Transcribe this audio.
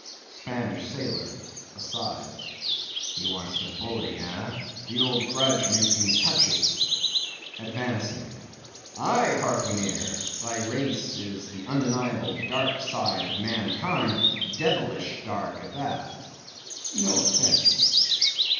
SPANISH SAILOR. (Aside.) He wants to bully, ah!—the old grudge makes me touchy (Advancing.) Aye, harpooneer, thy race is the undeniable dark side of mankind—devilish dark at that. No offence.